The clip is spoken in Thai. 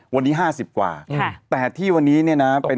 วันนี้๕๐กว่าแต่ที่วันนี้เนี่ยนะ